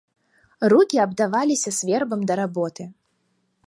Рукі абдаваліся свербам да работы.